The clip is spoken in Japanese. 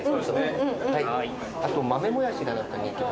あと豆もやしが人気。